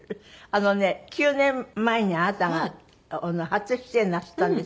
あのね９年前にあなたが初出演なすったんですよこちらに。